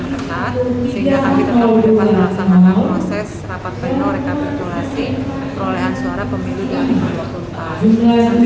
sehingga kami tetap berdepan melaksanakan proses rapat penuh rekapitulasi perolehan suara pemilih dari pemerintah